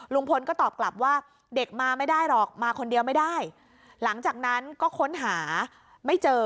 ลุงพลก็ตอบกลับว่าเด็กมาไม่ได้หรอกมาคนเดียวไม่ได้หลังจากนั้นก็ค้นหาไม่เจอ